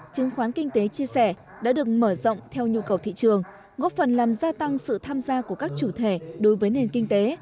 chứng khoán kinh tế chia sẻ đã được mở rộng theo nhu cầu thị trường góp phần làm gia tăng sự tham gia của các chủ thể đối với nền kinh tế